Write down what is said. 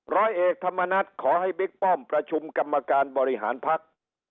ร้อยเอกธรรมนัฐขอให้บิ๊กป้อมประชุมกรรมการบริหารพัก